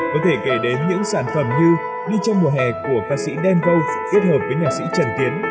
có thể kể đến những sản phẩm như đi trong mùa hè của ca sĩ danwow kết hợp với nhạc sĩ trần tiến